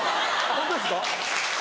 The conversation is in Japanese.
ホントですか。